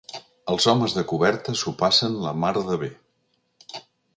Els homes de coberta s'ho passen la mar de bé.